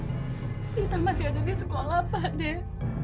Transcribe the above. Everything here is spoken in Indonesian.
kita masih ada di sekolah pak de